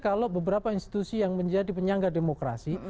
kalau beberapa institusi yang menjadi penyangga demokrasi